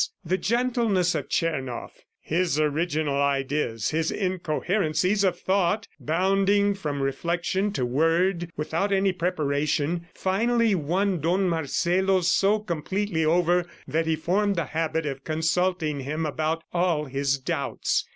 The gentleness of Tchernoff, his original ideas, his incoherencies of thought, bounding from reflection to word without any preparation, finally won Don Marcelo so completely over that he formed the habit of consulting him about all his doubts.